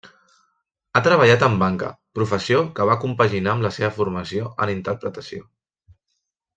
Ha treballat en banca, professió que va compaginar amb la seva formació en interpretació.